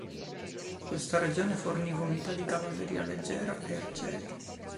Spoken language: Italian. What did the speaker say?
Questa regione forniva unità di cavalleria leggera, e arcieri.